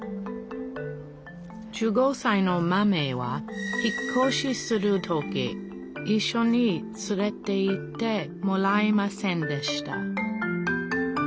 １５さいのマメは引っ越しする時いっしょに連れていってもらえませんでした